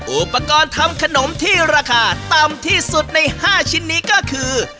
อุปกรณ์ทำขนมที่ราคาต่ำที่สุดใน๕ชิ้นนี้ก็คือ